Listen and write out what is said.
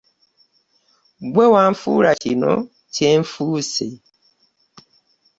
Ggwe wanfuula kino kye nfuuse.